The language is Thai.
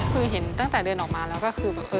คือเห็นตั้งแต่เดินออกมาแล้วก็คือ